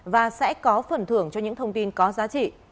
và sẽ có phần thưởng cho những thông tin có giá trị